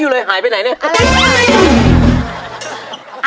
อะไรฮะ